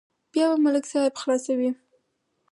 بیا به ملک صاحب خلاصوي.